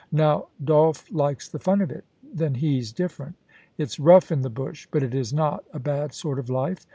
Now Dolph likes the fun of it Then he's different It's rough in the bush, but it is not a bad sort of life.